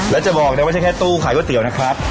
และจะบอกเนี่ยไม่ใช่แค่ตู้ขายก๋วยเตี๋ยวนะครับ